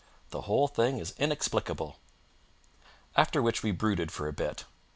The whole thing is inexplicable." After which we brooded for a bit.